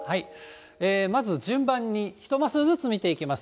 まず順番に１マスずつ見ていきます。